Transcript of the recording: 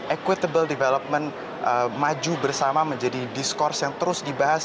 equitable development maju bersama menjadi diskurs yang terus dibahas